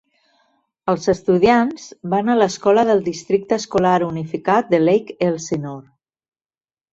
Els estudiants van a l'escola del districte escolar unificat de Lake Elsinore.